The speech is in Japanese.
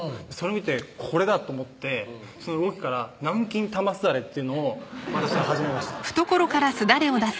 見てこれだと思ってその動きから南京玉すだれっていうのを私は始めましたえっ？